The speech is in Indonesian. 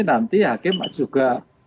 nanti hakim juga